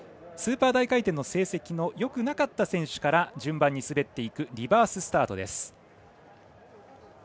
スーパー大回転の成績のよくなかった選手から順番に滑っていくリバーススタートです。